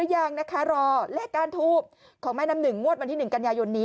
ยังนึงรอและการทูปของแม่นำ๑มวดวันที่๑กันยาย่วนนี้